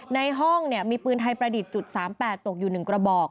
ในห้องมีปืนไทยประดิษฐ์จุด๓๘ตกอยู่๑กระบอก